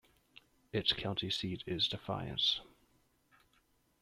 Its county seat is Defiance.